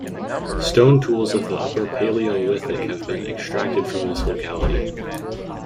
Stone tools of the Upper Paleolithic have been extracted from this locality.